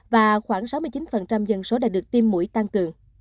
và khoảng sáu mươi chín dân số đã được tiêm mũi tăng cường